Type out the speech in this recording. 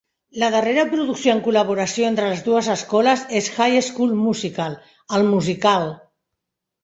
La darrera producció en col·laboració entre les dues escoles és High School Musical: el musical!